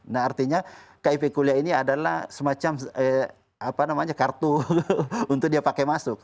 nah artinya kip kuliah ini adalah semacam kartu untuk dia pakai masuk